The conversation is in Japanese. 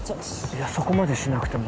いやそこまでしなくても。